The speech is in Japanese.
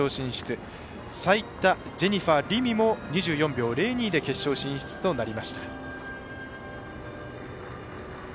税田ジェニファー璃美も２４秒０２で決勝進出となりました。